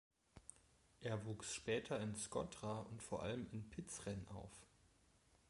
Er wuchs später in Shkodra und vor allem in Prizren auf.